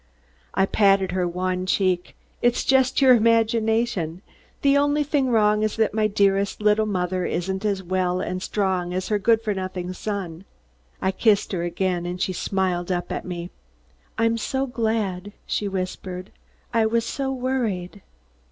I patted her wan cheek. "It's just your imagination. The only thing wrong is that my dearest, little mother isn't as well and strong as her good for nothing son." I kissed her again, and she smiled up at me. "I'm so glad," she whispered. "I was worried."